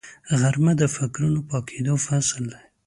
غرمه د فکرونو پاکېدو فصل دی